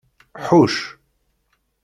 Ḥucc.